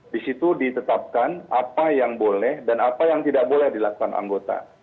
di situ ditetapkan apa yang boleh dan apa yang tidak boleh dilakukan anggota